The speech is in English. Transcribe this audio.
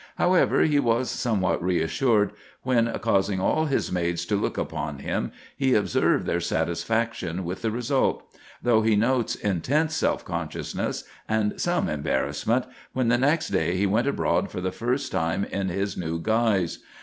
However, he was somewhat reassured when, causing all his maids to look upon him, he observed their satisfaction with the result; though he notes intense self consciousness and some embarrassment when, the next day, he went abroad for the first time in his new guise.